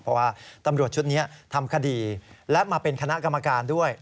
เพราะว่าตำรวจชุดนี้ทำคดีและมาเป็นคณะกรรมการด้วย